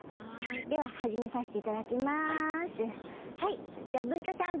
では始めさせていただきまーす。